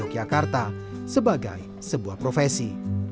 dan juga tidak dipercaya sebagai sebuah profesi